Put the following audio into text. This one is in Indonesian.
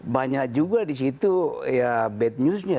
banyak juga di situ ya bad newsnya